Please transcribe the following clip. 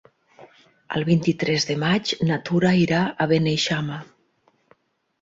El vint-i-tres de maig na Tura irà a Beneixama.